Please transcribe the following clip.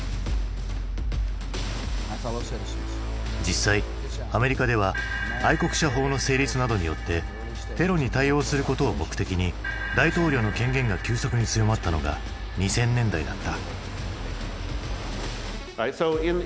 実際アメリカでは愛国者法の成立などによってテロに対応することを目的に大統領の権限が急速に強まったのが２０００年代だった。